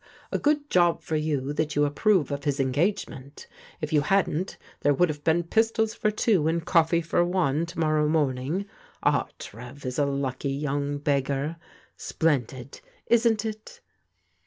A good job for you that you approve of his engagement. If you hadn't there would have been pistols for two and coffee for one to morrow morning. Ah, Trev is a lucky yotuig beggar! Splendid, isn't it?"